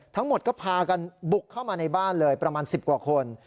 ทั้งหมดก็พากันบุกเข้ามาในบ้านเลยประมาณ๑๐กว่าคน